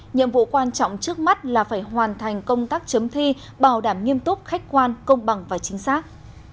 nhiệm vụ quan trọng trước mắt là phải hoàn thành công tác chấm thi bảo đảm nghiêm túc khách quan công bằng và chính xác